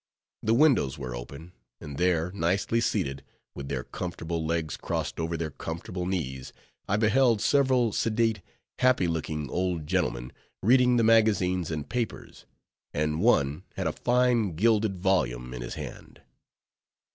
The windows were open, and there, nicely seated, with their comfortable legs crossed over their comfortable knees, I beheld several sedate, happy looking old gentlemen reading the magazines and papers, and one had a fine gilded volume in his hand.